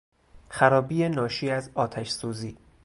خرابی ناشی از آتشسوزی